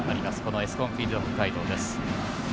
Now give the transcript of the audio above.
エスコンフィールド北海道です。